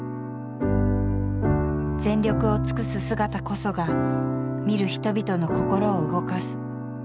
全力を尽くす姿こそが見る人々の心を動かす。